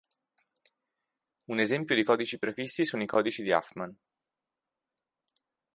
Un esempio di codici prefissi sono i codici di Huffman.